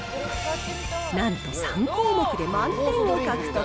なんと、３項目で満点を獲得。